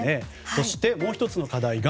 そして、もう１つの課題が。